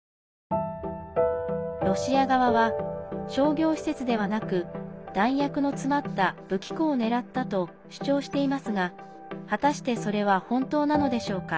ロシア側は商業施設ではなく弾薬の詰まった武器庫を狙ったと主張していますが果たして、それは本当なのでしょうか。